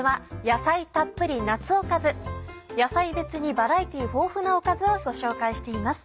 野菜別にバラエティー豊富なおかずをご紹介しています。